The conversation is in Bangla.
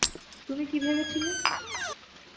তুমি কি ভেবেছিলে?